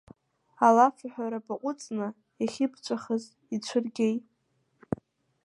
Алафҳәара баҟәыҵны, иахьыбҵәахыз ицәыргеи!